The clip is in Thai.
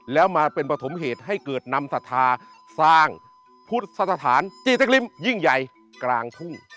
แล้วมาเป็นปฐมเหตุให้เกิดนำศรัทธาสร้างพุทธสถานจีติ๊กริมยิ่งใหญ่กลางทุ่ง